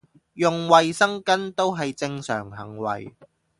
用衞生巾都係正常行為